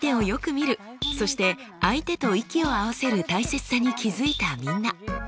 そして相手と息を合わせる大切さに気付いたみんな。